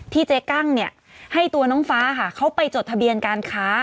เจ๊กั้งเนี่ยให้ตัวน้องฟ้าค่ะเขาไปจดทะเบียนการค้า